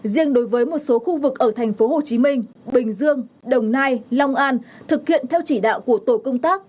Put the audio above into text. riêng đối với một số khu vực ở tp hcm bình dương đồng nai long an thực hiện theo chỉ đạo của tổ công tác